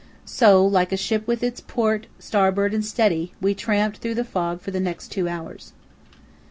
So, like a ship with its "port," "starboard," "steady," we tramped through the fog for the next two hours.